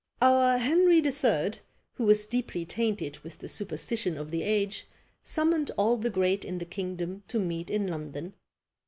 Our Henry III., who was deeply tainted with the superstition of the age, summoned all the great in the kingdom to meet in London.